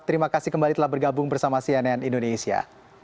terima kasih kembali telah bergabung bersama cnn indonesia